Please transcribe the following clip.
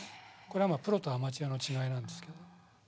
これはもうプロとアマチュアの違いなんですけど。